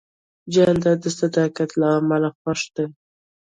جانداد د صداقت له امله خوښ دی.